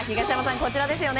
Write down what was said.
こちらですよね。